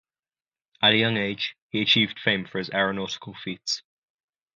At a young age, he achieved fame for his aeronautical feats.